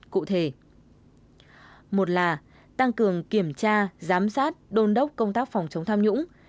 cụ thể một là tăng cường kiểm tra giám sát đôn đốc công tác phòng chống tham nhũng